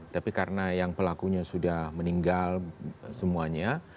tapi karena yang pelakunya sudah meninggal semuanya